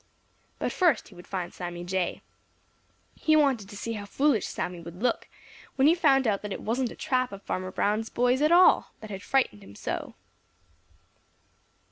But first he would find Sammy Jay. He wanted to see how foolish Sammy would look when he found out that it wasn't a trap of Farmer Brown's boy's at all that had frightened him so.